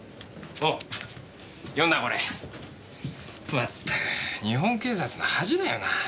まったく日本警察の恥だよな。